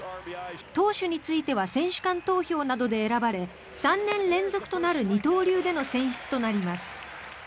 投手については選手間投票などで選ばれ３年連続となる二刀流での選出となります。